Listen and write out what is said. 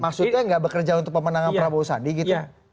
maksudnya nggak bekerja untuk pemenangan prabowo sandi gitu